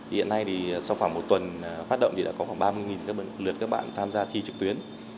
hiện nay thì sau khoảng một tuần phát động thì đã có khoảng ba mươi lượt các bạn tham gia thi trực tuyến